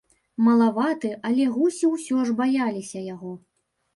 Малаваты, але гусі ўсё ж баяліся яго.